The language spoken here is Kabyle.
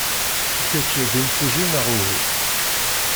Kečč d imsujji neɣ uhu?